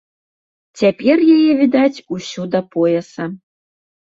Цяпер яе відаць усю да пояса.